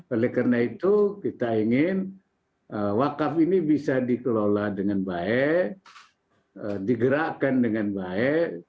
oleh karena itu kita ingin wakaf ini bisa dikelola dengan baik digerakkan dengan baik